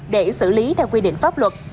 để xử lý theo quy định pháp luật